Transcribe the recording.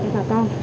cho bà con